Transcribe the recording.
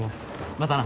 またな。